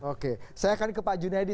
oke saya akan ke pak junaidi